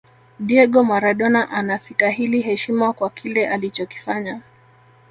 diego maradona anasitahili heshima kwa kile alichokifanya